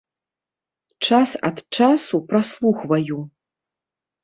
Час ад часу праслухваю.